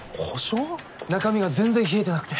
中身が全然冷えてなくて。